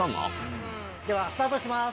・ではスタートします。